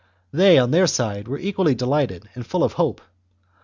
They, on their side, were equally delighted and full of hope.